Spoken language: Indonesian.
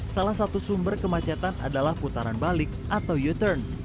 salah satu sumber kemacetan adalah putaran balik atau u turn